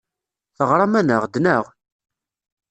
Teɣram-aneɣ-d, naɣ?